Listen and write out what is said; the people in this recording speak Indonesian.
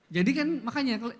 jadi kan makanya